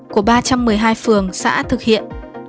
của ba trăm một mươi hai phường xã thực hiện